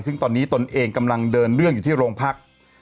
ซึ่งตอนนี้ตนเองกำลังเดินเรื่องอยู่ที่โรงพัก